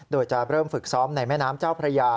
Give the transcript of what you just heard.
โดยจะเริ่มฝึกซ้อมในแม่น้ำเจ้าพระยา